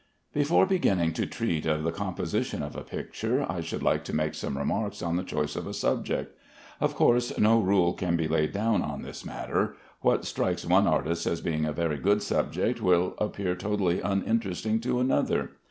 Before beginning to treat of the composition of a picture, I should like to make some remarks on the choice of a subject. Of course, no rule can be laid down in this matter. What strikes one artist as being a very good subject will appear totally uninteresting to another.